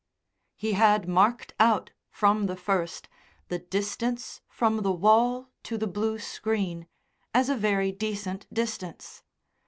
He had marked out, from the first, the distance from the wall to the blue screen as a very decent distance.